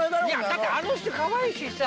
だってあの人かわいいしさ。